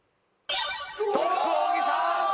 トップは小木さん！